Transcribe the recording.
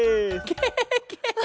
ケケ！